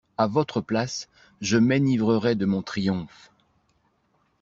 A votre place, je m'enivrerais de mon triomphe.